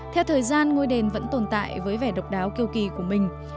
theo thời gian ngôi đền vẫn tồn tại với vẻ độc đáo kêu kỳ của mình